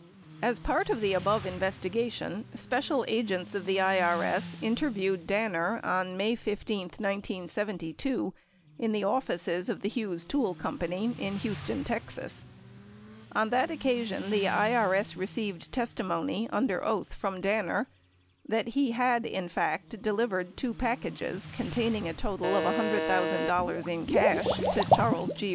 75 As part of the above investigation, special agents of the IRS inter viewed Danner on May 15, 1972, in the offices of the Hughes Tool Co. in Houston, Texas. On that occasion, the IRS received testimony under oath from Danner that he had, in fact, delivered two packages containing a total of $100,000 in cash to Charles G.